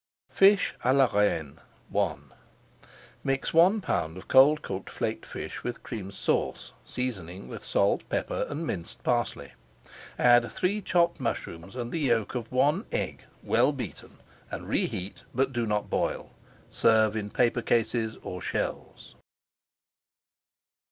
FISH À LA REINE I Mix one pound of cold cooked flaked fish with Cream Sauce, seasoning with salt, pepper, and minced parsley. Add three chopped mushrooms and the yolk of one egg well beaten and reheat, but do not boil. Serve in paper cases or shells.